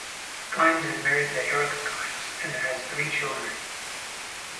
Kimes is married to Erica Kimes and has three children.